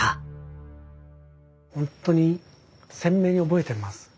ほんとに鮮明に覚えてます。